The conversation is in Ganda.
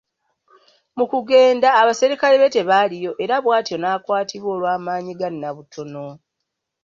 Mu kugenda, abaserikale be tebaaliyo era bw’atyo n’akwatibwa olw’amaanyi ga Nnabutono.